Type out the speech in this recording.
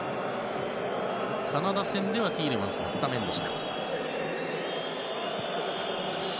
カナダ戦ではティーレマンスがスタメンでした。